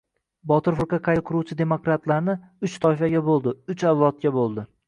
Botir firqa qayta quruvchi demokratlarni... uch toifaga bo‘ldi. Uch avlodga bo‘ldi.